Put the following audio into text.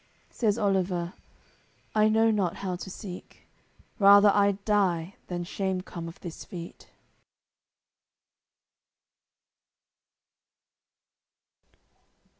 Says Oliver: "I know not how to seek; Rather I'ld die than shame come of this feat."